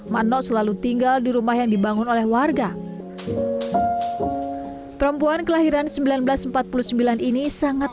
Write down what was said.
makno selalu tinggal di rumah yang dibangun oleh warga perempuan kelahiran seribu sembilan ratus empat puluh sembilan ini sangat